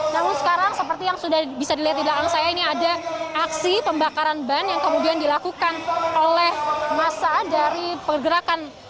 namun sekarang seperti yang sudah bisa dilihat di belakang saya ini ada aksi pembakaran ban yang kemudian dilakukan oleh massa dari pergerakan